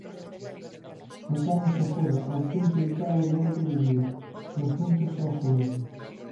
Pasamos agora ao punto oitavo da orde do día, preguntas ao Goberno.